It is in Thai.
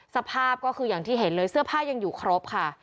สภาพก็คืออย่างที่เห็นเลยเสื้อผ้ายังอยู่ครบค่ะ